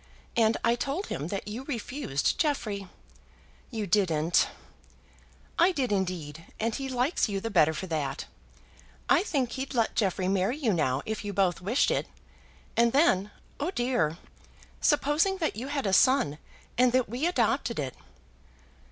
And I told him that you refused Jeffrey." "You didn't?" "I did indeed, and he likes you the better for that. I think he'd let Jeffrey marry you now if you both wished it; and then, oh dear! supposing that you had a son and that we adopted it?"